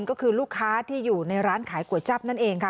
ก็คือลูกค้าที่อยู่ในร้านขายก๋วยจับนั่นเองค่ะ